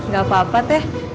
gak apa apa teh